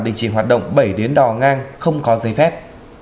định chỉ hoạt động bảy bến đò ngang không có giấy phép